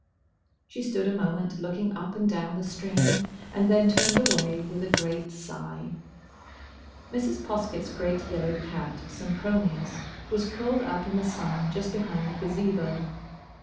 She stood a moment looking up and down the stream, and then turned away with a great sigh. Mrs. Poskett's great yellow cat, Sempronius, was curled up in the sun just behind the Gazebo.